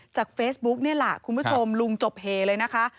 จากเฟซบุ๊กนี่แหละคุณผู้ชมลุงจบเหเลยนะคะ